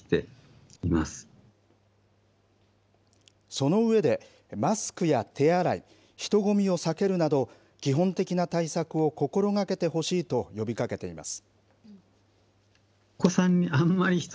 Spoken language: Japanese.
その上で、マスクや手洗い、人混みを避けるなど、基本的な対策を心がけてほしいと呼びかけています。